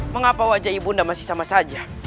mengapa wajah ibu undang masih sama saja